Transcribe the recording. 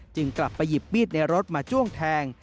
กลับไปหยิบมีดในรถมาจ้วงแทง